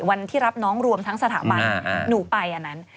วันที่รับน้องรวมทั้งสถาบันหนูไปอันนั้น